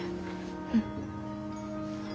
うん。